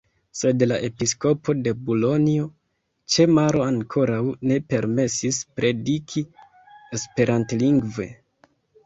Sed la episkopo de Bulonjo ĉe Maro ankoraŭ ne permesis prediki esperantlingve.